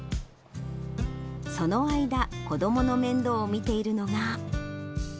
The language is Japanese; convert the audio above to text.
その間、子どもの面倒を見ているのが。